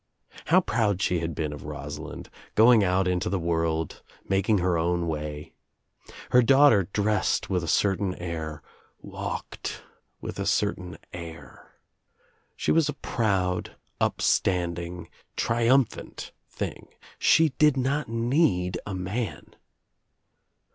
How proud she had been of Rosalind, going out into the world, making her own way. Her daughter dressed with a certain air, walked with a certain air. She was f a proud, upstanding, triumphant thing. She did not need a man.